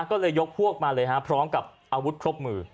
ก็เลยยกพวกมาเลยฮะพร้อมกับอาวุธครบมือ